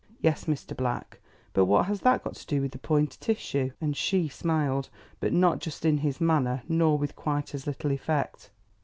"Yes, Mr. Black. But what has that got to do with the point at issue?" And SHE smiled, but not just in his manner nor with quite as little effect.